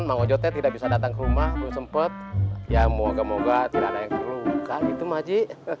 mau jodoh tidak bisa datang ke rumah belum sempet ya moga moga tidak ada yang keruka gitu maji